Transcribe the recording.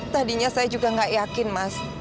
tadinya saya juga gak yakin mas